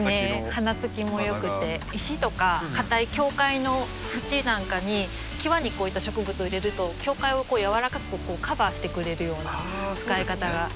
花つきもよくて石とかかたい境界の縁なんかに際にこういった植物を入れると境界をやわらかくカバーしてくれるような使い方ができます。